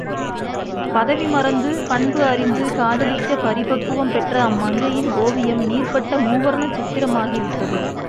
பதவி மறந்து, பண்பு அறிந்து காதலிக்க பரிபக்குவம் பெற்ற அம்மங்கையின் ஓவியம் நீர்பட்ட மூவர்ணச் சித்திரமாகிவிட்டது.